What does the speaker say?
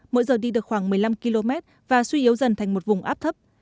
mỗi giờ đi được khoảng một mươi năm km và suy yếu dần thành một vùng áp thấp